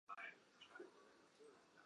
雅典也有同样称呼的军官。